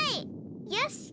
よし！